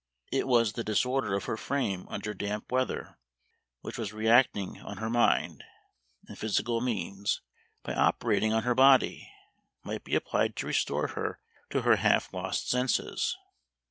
It was the disorder of her frame under damp weather, which was reacting on her mind; and physical means, by operating on her body, might be applied to restore her to her half lost senses.